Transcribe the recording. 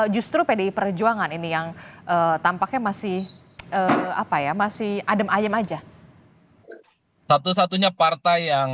justru pdi perjuangan ini yang tampaknya masih apa ya masih adem ayem aja